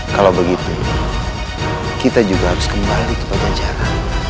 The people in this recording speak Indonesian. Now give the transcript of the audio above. kalau begitu kita juga harus kembali ke pembelajaran